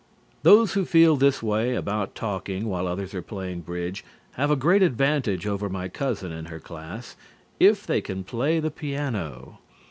Those who feel this way about talking while others are playing bridge have a great advantage over my cousin and her class if they can play the piano.